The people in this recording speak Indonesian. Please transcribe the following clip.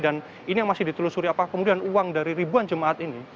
dan ini yang masih ditelusuri apakah kemudian uang dari ribuan jemaat ini